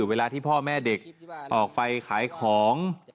เวลาที่พ่อแม่เด็กออกไปขายของ